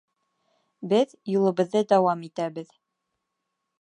Беҙ юлыбыҙҙы дауам итәбеҙ...